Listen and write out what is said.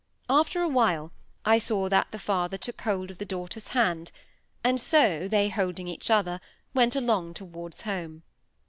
After a while, I saw that the father took hold of the daughter's hand, and so, they holding each other, went along towards home.